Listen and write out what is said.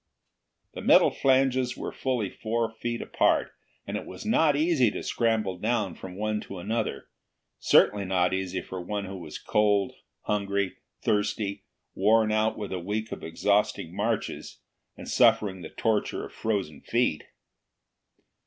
The metal flanges were fully four feet apart, and it was not easy to scramble down from one to another; certainly not easy for one who was cold, hungry, thirsty, worn out with a week of exhausting marches, and suffering the torture of frozen feet.